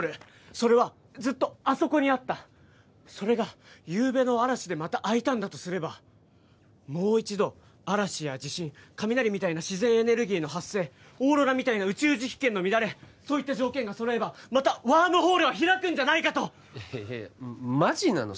それはずっとあそこにあったそれがゆうべの嵐でまた開いたんだとすればもう一度嵐や地震雷みたいな自然エネルギーの発生オーロラみたいな宇宙磁気圏の乱れそういった条件が揃えばまたワームホールが開くんじゃないかとえママジなの？